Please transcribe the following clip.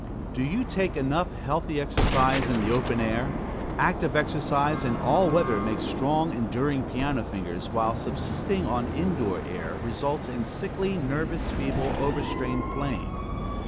Do you take enough healthy exercise in the open air? Active exercise, in all weather, makes strong, enduring piano fingers, while subsisting on indoor air results in sickly, nervous, feeble, over strained playing.